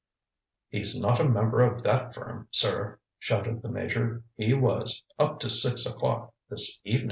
ŌĆØ ŌĆ£He's not a member of that firm, sir, ŌĆØ shouted the Major. ŌĆ£He was, up to six o'clock this evenin'.